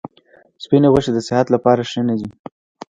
سپیني غوښي د صحت لپاره نه دي ښه.